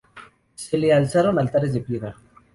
Se le alzaron altares de piedra.